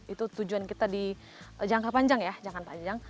itu tujuan kita di jangka panjang ya